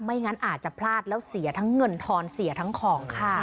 งั้นอาจจะพลาดแล้วเสียทั้งเงินทอนเสียทั้งของค่ะ